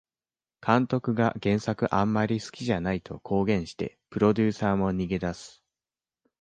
監督が原作あんまり好きじゃないと公言してプロデューサーも逃げ出す